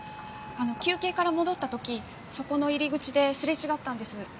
休憩から戻った時そこの入り口ですれ違ったんです。